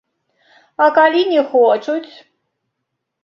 А калі не хочуць?